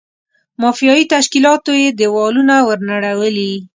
مافیایي تشکیلاتو یې دېوالونه ور نړولي.